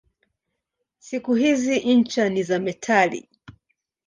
Siku hizi ncha ni za metali.